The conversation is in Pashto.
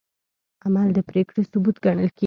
عمل د پرېکړې ثبوت ګڼل کېږي.